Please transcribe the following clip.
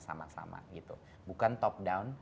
sama sama gitu bukan top down